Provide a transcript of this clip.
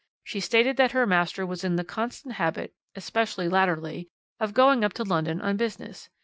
She stated that her master was in the constant habit especially latterly of going up to London on business.